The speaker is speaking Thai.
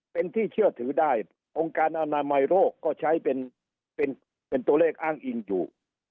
เป็นที่เชื่อถือได้องค์การอนามัยโรคก็ใช้เป็นตัวเลขอ้างอิงอยู่